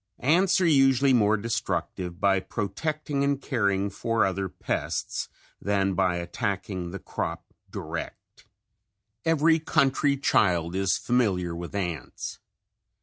Ants are usually more destructive by protecting and caring for other pests than by attacking the crop direct. Every country child is familiar with ants.